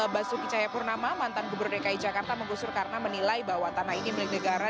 basuki cahayapurnama mantan gubernur dki jakarta menggusur karena menilai bahwa tanah ini milik negara